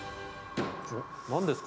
何ですか？